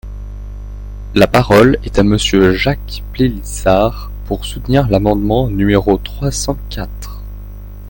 La parole est à Monsieur Jacques Pélissard, pour soutenir l’amendement numéro trois cent quatre.